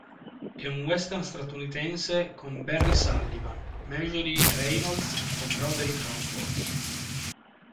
È un western statunitense con Barry Sullivan, Marjorie Reynolds e Broderick Crawford.